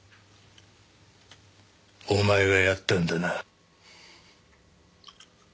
お前がやったんだな？